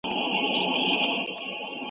زموږ څېړني به په نړۍ کي وپېژندل سي.